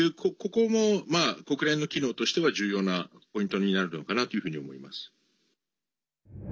ここも国連の機能としては重要なポイントになるのかなというふうに思います。